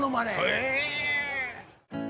へえ！